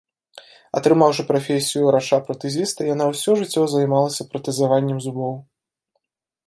Атрымаўшы прафесію ўрача-пратэзіста, яна ўсё жыццё займалася пратэзаваннем зубоў.